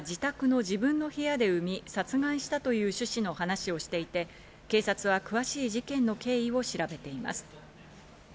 少女は自宅の自分の部屋で産み、殺害したという趣旨の話をしていて、警察は詳しい事件の経緯を調べています。